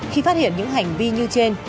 khi phát hiện những hành vi như trên